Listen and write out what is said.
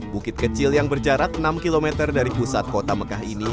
bukit kecil yang berjarak enam km dari pusat kota mekah ini